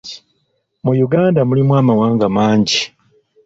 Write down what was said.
Mu Uganda mulimu amawanga mangi.